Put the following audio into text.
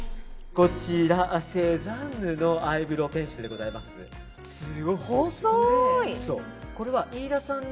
こちら、セザンヌのアイブローペンシルでございます。